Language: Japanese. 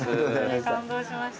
感動しました。